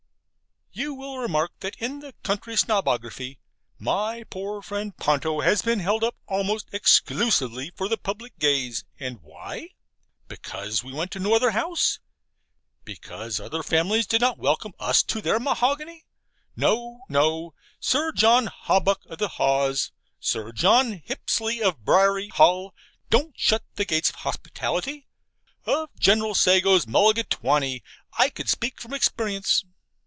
You will remark that in the Country Snobography my poor friend Ponto has been held up almost exclusively for the public gaze and why? Because we went to no other house? Because other families did not welcome us to their mahogany? No, no. Sir John Hawbuck of the Haws, Sir John Hipsley of Briary Hall, don't shut the gates of hospitality: of General Sago's mulligatawny I could speak from experience.